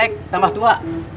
jelek tambah tua